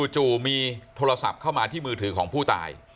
จู่มีโทรศัพท์เข้ามาที่มือถือของผู้ตาย